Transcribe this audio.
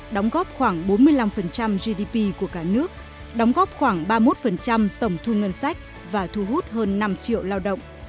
đóng góp khoảng bốn mươi năm gdp của cả nước đóng góp khoảng ba mươi một tổng thu ngân sách và thu hút hơn năm triệu lao động